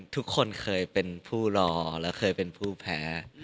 ทุกคนเคยเป็นผู้รอและเคยเป็นผู้แพ้